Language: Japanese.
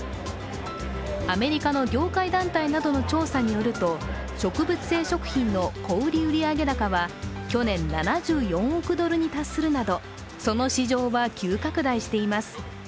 アメリカの業界団体などの調査によると、植物性食品の小売り売上高は去年、７４億ドルに達するなどその市場は急拡大しています。